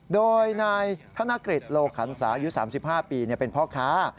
โดยนายธนกฤษโลขันศาอายุ๓๕ปีเป็นพ่อค้า